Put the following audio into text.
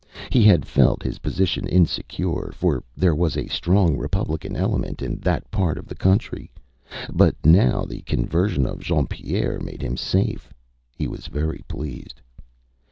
He had felt his position insecure, for there was a strong republican element in that part of the country; but now the conversion of Jean Pierre made him safe. He was very pleased.